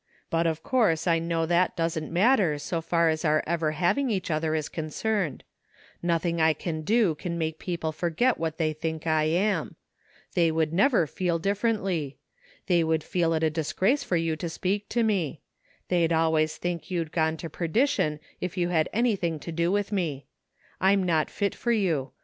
But of course I know that doesn't matter so far as our ever having each other is concerned Nothing I can do can make people forget what they think I am. They would never feel differently. They would feel it a disgrace for you to speak to me. They'd always think you'd gone to perdition if you had anything to do with me. I'm not fit for you.